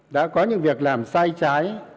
đã có những việc làm sai trái